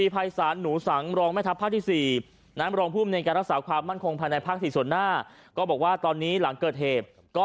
ภาคนี้เหมือนเกิดเหตุ